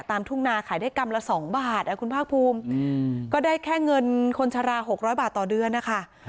ทุ่งนาขายได้กรัมละ๒บาทคุณภาคภูมิก็ได้แค่เงินคนชะลา๖๐๐บาทต่อเดือนนะคะ